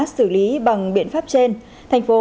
xử lý bằng biện pháp trên thành phố